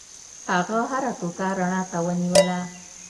هغه هره ټوټه رڼا ته ونیوله.